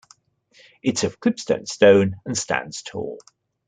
It is of Clipsham stone and stands tall.